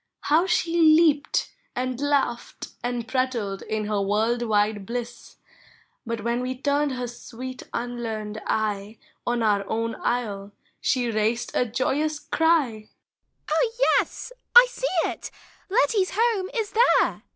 How she leaped, And laughed and prattled in her world wide bliss; But when we turned her sweet unlearned eye On our own isle, she raised a joyous cry, 44 Oh ! yes. I see it, Letty's home is there!